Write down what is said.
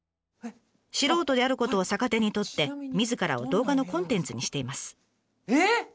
素人であることを逆手にとってみずからを動画のコンテンツにしています。